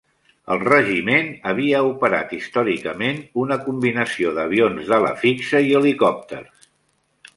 El regiment havia operat històricament una combinació d'avions d'ala fixa i helicòpters.